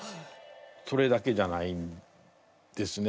それだけじゃないんですね。